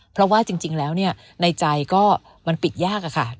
เพราะว่าจริงแล้วในใจก็มันปิดยากอะค่ะ